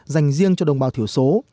dành riêng cho đồng bào thiểu số